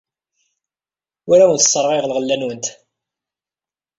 Ur awent-sserɣayeɣ lɣella-nwent.